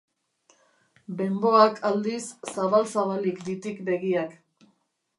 Bemboak aldiz, zabal-zabalik ditik begiak...